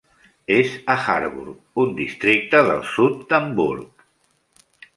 És a Harburg, un districte del sud d'Hamburg.